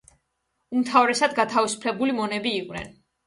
უმთავრესად გათავისუფლებული მონები იყვნენ.